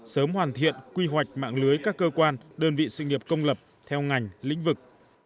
sớm hoàn thiện quy hoạch mạng lưới các cơ quan đơn vị sự nghiệp công lập theo ngành lĩnh vực